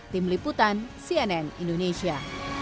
tim liputan cnn indonesia